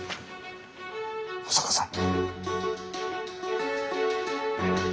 保坂さん。